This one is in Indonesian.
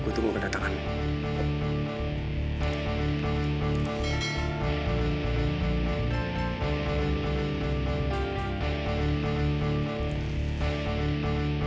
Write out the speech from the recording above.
gua akan tunggu kedatangan lo jam empat